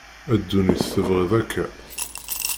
A ddunit tebɣiḍ akka.